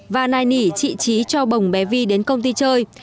và nài nỉ chị trí cho bồng bé vi đến công ty chơi